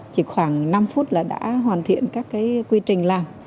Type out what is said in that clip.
chỉ khoảng năm phút là đã hoàn thiện các cái quy trình làm